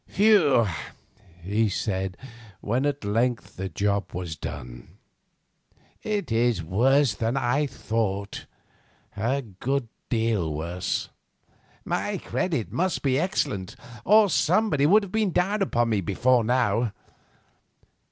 "Phew!" he said, when at length the job was done. "It is worse than I thought, a good deal worse. My credit must be excellent, or somebody would have been down upon us before now.